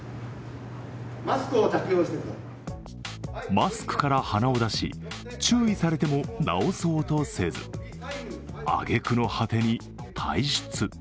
マスクから鼻を出し注意されても直そうとせず、あげくの果てに退出。